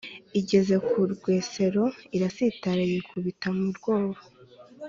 igeze ku rwesero irasitara yikubita mu rwobo.